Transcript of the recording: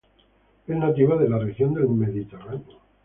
Es nativa de la región del Mediterráneo.